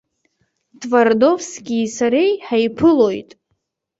Твардовскии сареи ҳаиԥылоит.